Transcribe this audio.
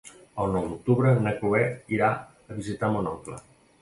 El nou d'octubre na Cloè irà a visitar mon oncle.